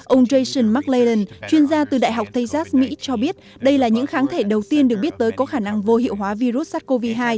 ông jason mclan chuyên gia từ đại học texas mỹ cho biết đây là những kháng thể đầu tiên được biết tới có khả năng vô hiệu hóa virus sars cov hai